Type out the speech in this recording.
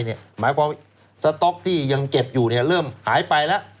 หมายความว่าสต๊อกที่ยังเก็บอยู่เริ่มหายไปแล้ว